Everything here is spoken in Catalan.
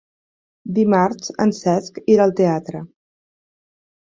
Dimarts en Cesc irà al teatre.